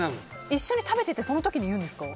一緒に食べていてその時に言うんですか？